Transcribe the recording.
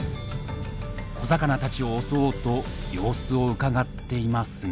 小魚たちを襲おうと様子をうかがっていますが。